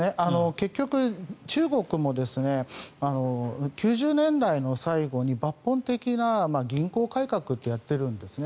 結局、中国も９０年代の最後に抜本的な銀行改革ってやっているんですね。